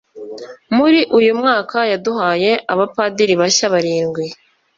muri uyu mwaka yaduhaye abapadiri bashya barindwi.